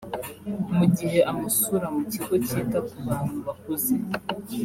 mu gihe amusura mu kigo kita ku bantu bakuze